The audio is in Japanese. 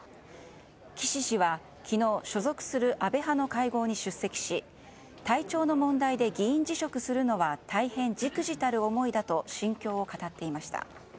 岸氏は昨日所属する安倍派の会合に出席し体調の問題で議員辞職するのは大変忸怩たる思いだと心境を語っていました。